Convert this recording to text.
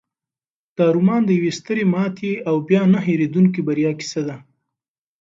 دا رومان د یوې سترې ماتې او بیا نه هیریدونکې بریا کیسه ده.